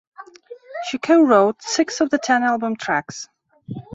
She co-wrote six of the ten album tracks.